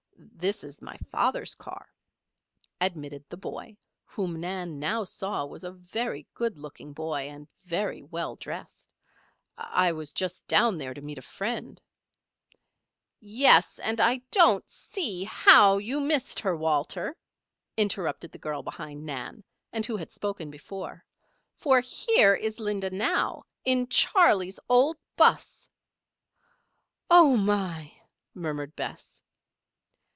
This is my father's car," admitted the boy, whom Nan now saw was a very good looking boy and very well dressed. "I was just down there to meet a friend " "Yes, and I don't see how you missed her, Walter," interrupted the girl behind Nan, and who had spoken before. "For here is Linda now, in Charley's old 'bus." "Oh my!" murmured Bess.